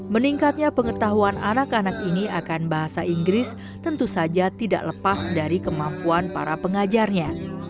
meningkatnya pengetahuan anak anak ini akan bahasa inggris tentu saja tidak lepas dari kemampuan para pengajarnya